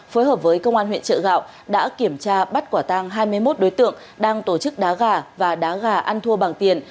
phối hợp với công an huyện trợ gạo đã kiểm tra bắt quả tang hai mươi một đối tượng đang tổ chức đá gà và đá gà ăn thua bằng tiền